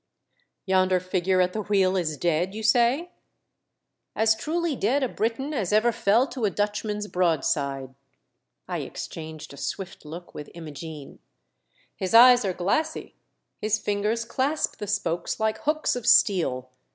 "Yonder figure at the wheel is dead, you say r As truly dead a Briton as ever fell to a Dutchman's broadside." I exchanged a swift look with Imogene. "His eyes are glassy ; his fingers clasp the spokes like hooks of steel.